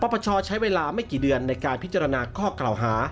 ปปชใช้เวลาไม่กี่เดือนในการพิจารณาข้อกล่าวหา